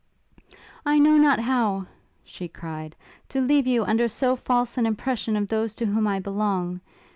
'I know not how,' she cried, 'to leave you under so false an impression of those to whom I belong.